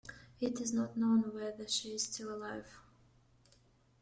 It is not known whether she is still alive.